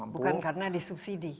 bukan karena disubsidi